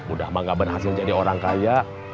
udah menggabar hasil jadi orang kaya